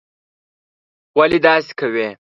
ولي داسې کوې?